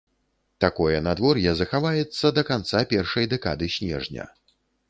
Такое надвор'е захаваецца да канца першай дэкады снежня.